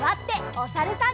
おさるさん。